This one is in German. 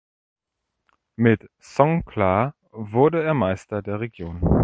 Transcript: Mit Songkhla wurde er Meister der Region.